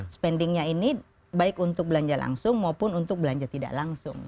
spendingnya ini baik untuk belanja langsung maupun untuk belanja tidak langsung